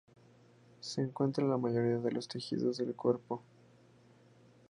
Se encuentran en la mayoría de los tejidos del cuerpo.